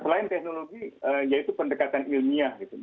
selain teknologi yaitu pendekatan ilmiah gitu